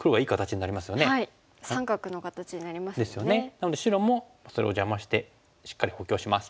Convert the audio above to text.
なので白もそれを邪魔してしっかり補強します。